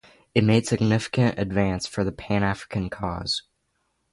It made significant advance for the Pan-African cause.